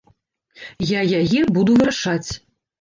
Я яе буду вырашаць.